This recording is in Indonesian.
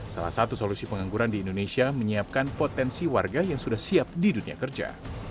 salah satu solusi pengangguran di indonesia menyiapkan potensi warga yang sudah siap di dunia kerja